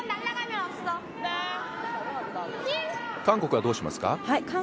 韓国はどうしますか？